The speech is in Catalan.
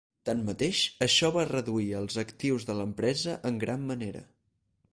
Tanmateix, això va reduir els actius de l'empresa en gran manera.